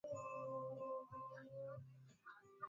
Yeye ni mtu anayependa amani sana.